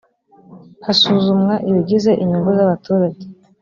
hasuzumwa ibigize inyungu z ‘abaturage.